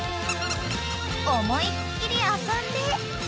［思いっ切り遊んで］